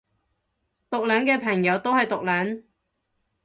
毒撚嘅朋友都係毒撚